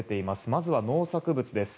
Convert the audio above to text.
まずは農作物です。